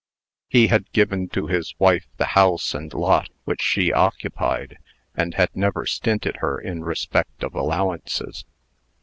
He had given to his wife the house and lot which she occupied, and had never stinted her in respect of allowances.